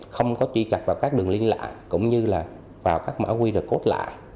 không có truy cập vào các đường liên lạc cũng như là vào các mạng qr code lạ